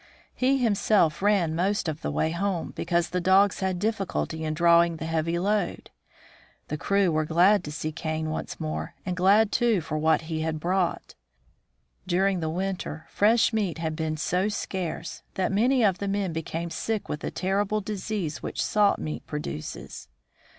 He himself ran most of the way home, because the dogs had difficulty in draw ing the heavy load. The crew were glad to see Kane once more, and glad, too, for what he had brought. During the winter fresh meat had been so scarce that many of the men became sick with the terrible disease which salt meat produces.